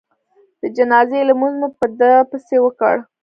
د جنازې لمونځ مو په ده پسې وکړ.